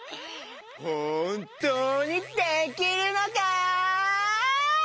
ほんとうにできるのか？